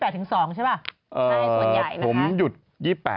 ๒๘ถึง๒ใช่ป่ะ